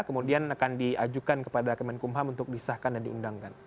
kemudian akan diajukan kepada kemenkumham untuk disahkan dan diundangkan